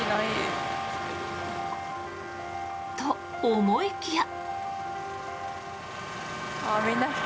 と、思いきや。